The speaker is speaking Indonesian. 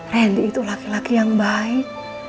randy itu laki laki yang baik